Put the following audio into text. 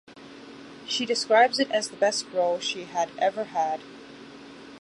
She describes it as the best role she had ever had.